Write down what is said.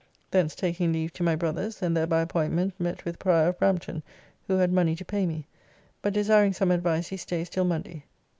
Thence taking leave to my brother's, and there by appointment met with Prior of Brampton who had money to pay me, but desiring some advice he stays till Monday.